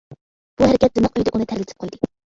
بۇ ھەرىكەت دىمىق ئۆيدە ئۇنى تەرلىتىپ قويدى.